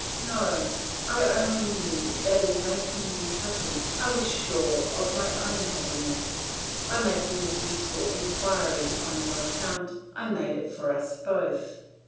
No; I only knew that in making you happy, I was sure of my own happiness. By making this useful inquiry on your account, I made it for us both.